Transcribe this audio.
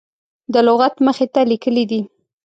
د لغت مخې ته لیکلي دي.